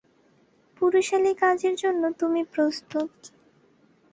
পুরুষালী কাজের জন্য তুমি প্রস্তুত।